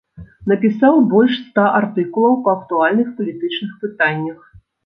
Напісаў больш ста артыкулаў па актуальных палітычных пытаннях.